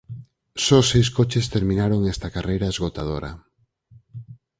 Só seis coches terminaron esta carreira esgotadora.